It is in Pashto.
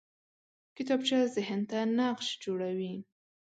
کتابچه ذهن ته نقش جوړوي